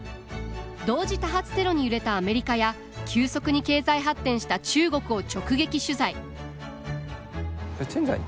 同時多発テロに揺れたアメリカや急速に経済発展した中国を直撃取材。